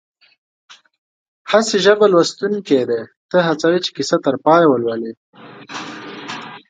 حسي ژبه لوستونکی دې ته هڅوي چې کیسه تر پایه ولولي